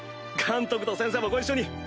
監督と先生もご一緒に。